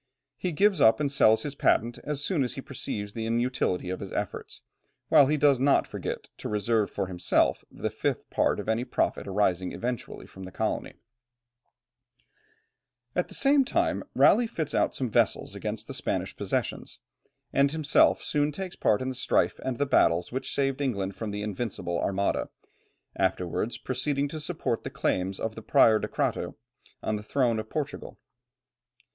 He gives up and sells his patent as soon as he perceives the inutility of his efforts, while he does not forget to reserve for himself the fifth part of any profit arising eventually from the colony. [Illustration: Sir Walter Raleigh. From an old print.] At the same time Raleigh fits out some vessels against the Spanish possessions; and himself soon takes part in the strife and the battles which saved England from the Invincible Armada, afterwards proceeding to support the claims of the Prior de Crato, to the throne of Portugal.